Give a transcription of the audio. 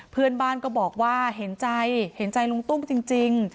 เพื่อนบ้านก็บอกว่าเห็นใจเห็นใจลุงตุ้มจริง